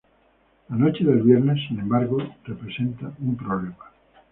La noche del viernes, sin embargo, representa un problema.